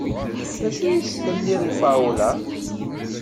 D acu i s-tenniḍ i Paola?